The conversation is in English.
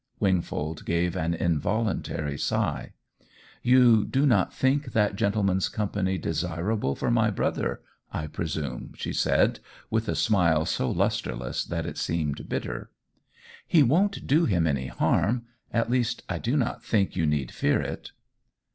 Wingfold gave an involuntary sigh. "You do not think that gentleman's company desirable for my brother, I presume," she said with a smile so lustreless that it seemed bitter. "He won't do him any harm at least I do not think you need fear it."